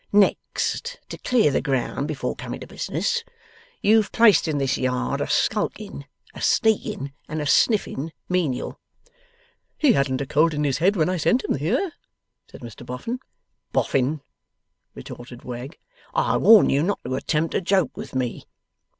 'Next (to clear the ground before coming to business), you've placed in this yard a skulking, a sneaking, and a sniffing, menial.' 'He hadn't a cold in his head when I sent him here,' said Mr Boffin. 'Boffin!' retorted Wegg, 'I warn you not to attempt a joke with me!